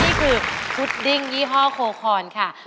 นี่คือพุดดิ้งยี่ห้อโคคอนค่ะ